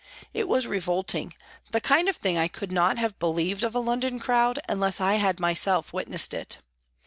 It was revolt ing, the kind of thing I could not have believed of a London crowd unless I had myself witnessed it.